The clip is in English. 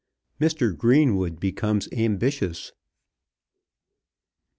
MR. GREENWOOD BECOMES AMBITIOUS.